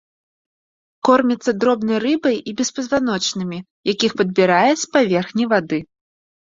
Корміцца дробнай рыбай і беспазваночнымі, якіх падбірае з паверхні вады.